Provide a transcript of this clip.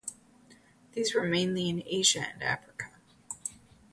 These were mainly in Asia and Africa.